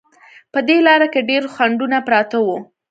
په دې لاره کې ډېر خنډونه پراته وو.